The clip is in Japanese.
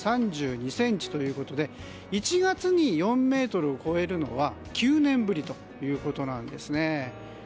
４ｍ３２ｃｍということで１月に４ｍを超えるのは９年ぶりということなんです。